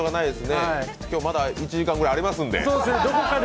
今日まだ１時間ぐらいありますので、どこかで。